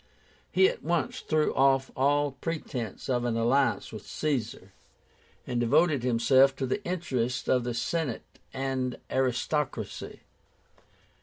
He at once threw off all pretence of an alliance with Caesar, and devoted himself to the interests of the Senate and aristocracy.